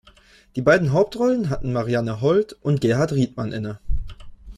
Die beiden Hauptrollen hatten Marianne Hold und Gerhard Riedmann inne.